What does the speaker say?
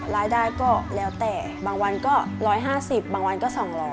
รายได้ก็แล้วแต่บางวันก็๑๕๐บางวันก็๒๐๐